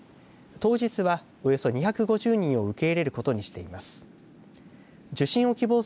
当日は、およそ２５０人を受け入れることにしています。